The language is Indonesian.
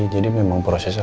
jadi memang prosesnya rama